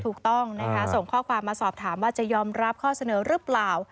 ถูกต้องนะคะส่งข้อความมาสอบถามว่าจะยอมรับข้อเสนอหรือเปล่า